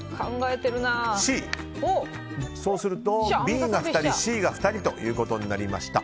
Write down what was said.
そうするとＢが２人、Ｃが２人ということになりました。